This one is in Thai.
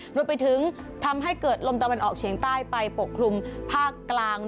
รวมไปถึงทำให้เกิดลมตะวันออกเฉียงใต้ไปปกคลุมภาคกลาง